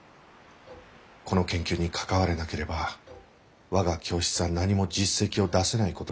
この研究に関われなければ我が教室は何も実績を出せないことになる。